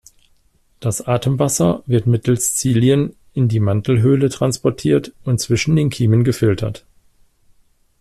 Das Atemwasser wird mittels Zilien in die Mantelhöhle transportiert und zwischen den Kiemen gefiltert.